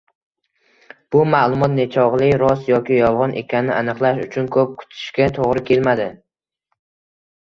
Bu maʼlumot nechogʻli rost yoki yolgʻon ekanini aniqlash uchun koʻp kutishga toʻgʻri kelmadi.